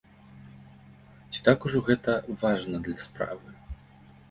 Ці так ужо гэта важна для справы?